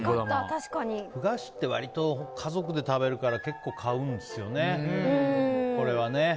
ふ菓子って割と家族で食べるから結構、買うんですよね。